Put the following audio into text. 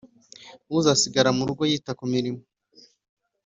uzasigara mu rugo yita ku mirimo